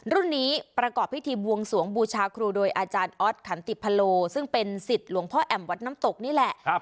รุ่นนี้ประกอบพิธีบวงสวงบูชาครูโดยอาจารย์ออสขันติพะโลซึ่งเป็นสิทธิ์หลวงพ่อแอมวัดน้ำตกนี่แหละ